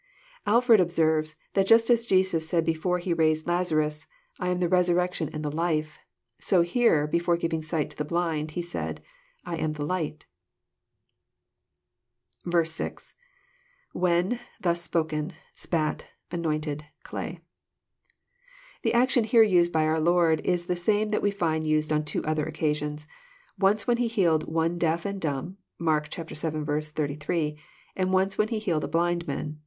Alford observes, that just as Jesus said before He raised Lazarus, <'I am the Resurrection and the Life," so here^ before giving sight to the blind, he said, <* I am the Light." 6. — [^When.. , thus spoken.. ,8pat,.,anoint€d.,.clay.'] The action here nsed by our Lord is the same that we find used on two other occasions, — once when He healed one deaf and dumb, (Mark vii. 88;) once when He healed a blind man.